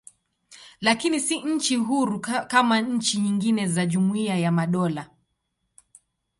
Lakini si nchi huru kama nchi nyingine za Jumuiya ya Madola.